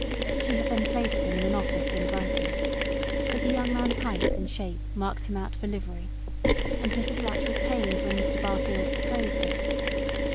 She had then placed him in an office in Brighton; but the young man's height and shape marked him out for livery, and Mrs. Latch was pained when Mr. Barfield proposed it.